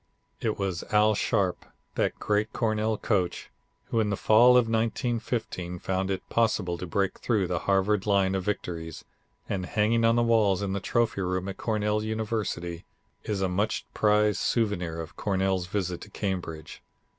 It was Al Sharpe, that great Cornell coach, who, in the fall of 1915 found it possible to break through the Harvard line of victories, and hanging on the walls in the trophy room at Cornell University is a much prized souvenir of Cornell's visit to Cambridge.